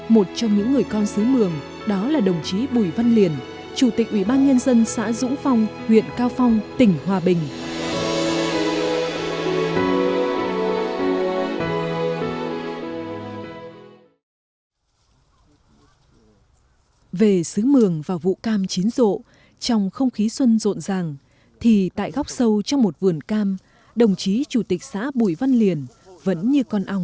một trong những người con xứ mường đó là đồng chí bùi văn liền chủ tịch ủy ban nhân dân xã dũng phong huyện cao phong tỉnh hòa bình